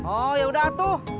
oh yaudah tuh